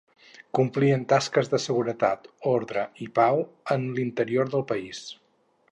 Complien tasques de seguretat, ordre i pau en l'interior del país.